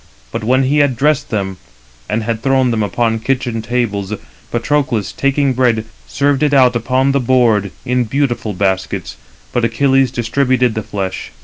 But when he had dressed them, and had thrown them upon kitchen tables, Patroclus, taking bread, served it out upon the board in beautiful baskets: but Achilles distributed the flesh.